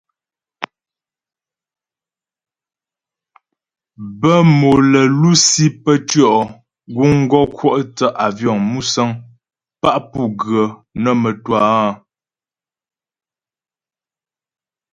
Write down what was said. Bə́ mò lə́ lusi pə́ tʉɔ' guŋ gɔ kwɔ' thə́ àvyɔ̌ŋ (musə̀ŋ) pá pu gə nə́ mə́twâ áa.